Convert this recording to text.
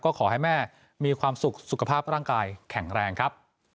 ก็ขอให้แม่มีความสุขสุขภาพร่างกายแข็งแรงครับ